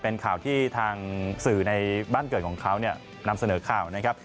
เป็นข่าวที่ทางสื่อในบ้านเกิดของเขาเนี่ยนำเสนอข่าวนะครับ